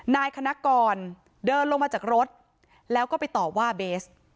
นายคณะกรเดินลงมาจากรถแล้วก็ไปต่อว่าเบส